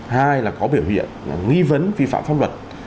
hai là có biểu hiện nghi vấn vi phạm pháp luật